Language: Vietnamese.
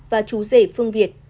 và chú rể phương việt